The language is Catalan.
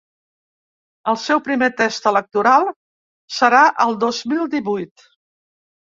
El seu primer test electoral serà al dos mil divuit.